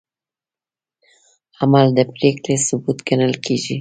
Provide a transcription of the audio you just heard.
عمل د پرېکړې ثبوت ګڼل کېږي.